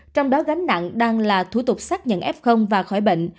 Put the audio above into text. trong đó gánh nặng đang là thủ tục xác nhận f và khỏi bệnh